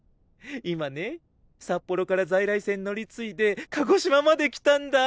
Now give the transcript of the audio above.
今ね札幌から在来線乗り継いで鹿児島まで来たんだ！